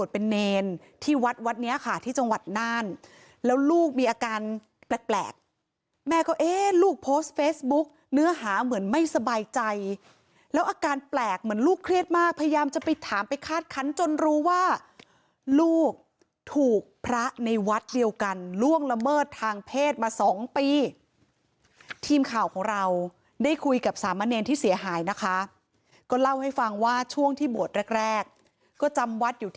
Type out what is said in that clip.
เป็นเนรที่วัดวัดเนี้ยค่ะที่จังหวัดน่านแล้วลูกมีอาการแปลกแม่ก็เอ๊ะลูกโพสต์เฟซบุ๊กเนื้อหาเหมือนไม่สบายใจแล้วอาการแปลกเหมือนลูกเครียดมากพยายามจะไปถามไปคาดคันจนรู้ว่าลูกถูกพระในวัดเดียวกันล่วงละเมิดทางเพศมาสองปีทีมข่าวของเราได้คุยกับสามะเนรที่เสียหายนะคะก็เล่าให้ฟังว่าช่วงที่บวชแรกแรกก็จำวัดอยู่ที่